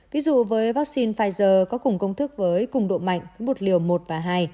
ví dụ với vaccine pfizer có cùng công thức với cùng độ mạnh với bột liều một và hai